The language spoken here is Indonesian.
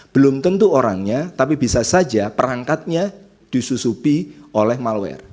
belum tentu orangnya tapi bisa saja perangkatnya disusupi oleh malware